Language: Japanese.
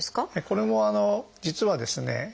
これも実はですね